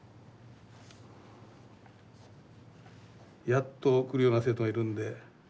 やっと来るような生徒がいるんで。